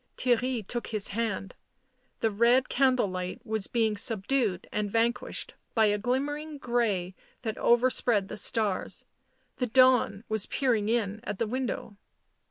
Theirry took his hand ; the red candle light was being subdued and vanquished by a glimmering grey that overspread the stars ; the dawn was peering in at the window.